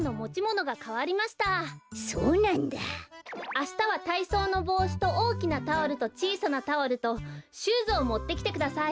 あしたはたいそうのぼうしとおおきなタオルとちいさなタオルとシューズをもってきてください。